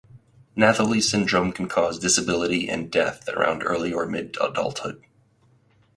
Nathalie syndrome can cause disability and death around early or mid adulthood.